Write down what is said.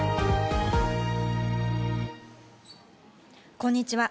こんにちは。